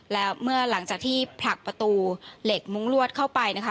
แล้วเมื่อหลังจากที่ผลักประตูเหล็กมุ้งลวดเข้าไปนะคะ